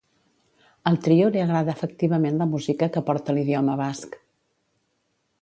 Al trio li agrada efectivament la música que porta l'idioma basc.